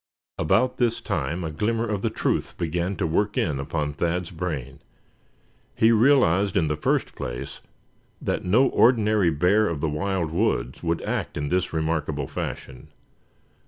About this time a glimmer of the truth began to work in upon Thad's brain. He realized in the first place that no ordinary bear of the wild woods would act in this remarkable fashion.